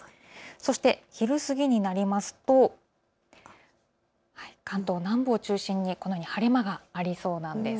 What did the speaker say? そして昼過ぎになりますと関東南部を中心に晴れ間がありそうなんです。